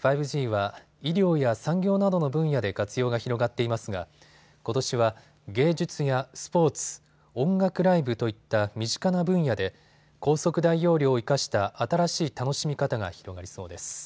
５Ｇは医療や産業などの分野で活用が広がっていますがことしは芸術やスポーツ、音楽ライブといった身近な分野で高速・大容量を生かした新しい楽しみ方が広がりそうです。